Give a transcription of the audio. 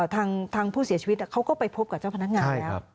ทางผู้เสียชีวิตเขาก็ไปพบกับเจ้าพนักงานแล้ว